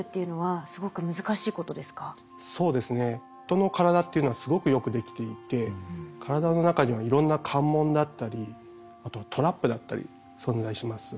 人の体っていうのはすごくよくできていて体の中にはいろんな関門だったりあとはトラップだったり存在します。